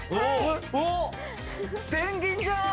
おっペンギンじゃん！